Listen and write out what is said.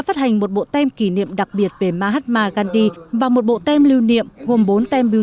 phát hành một bộ tem kỷ niệm đặc biệt về mahatma gandhi và một bộ tem lưu niệm gồm bốn tem biêu